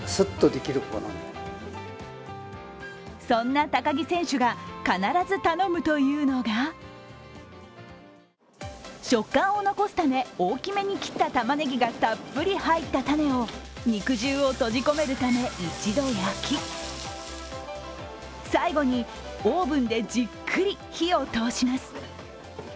そんな高木選手が必ず頼むというのが、食感を残すため、大きめに切ったたまねぎがたっぷり入った種を肉汁を閉じ込めるため、一度焼き、最後にオーブンでじっくり火を通します。